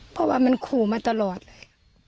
เพราะว่ามันขู่มาตลอดเลย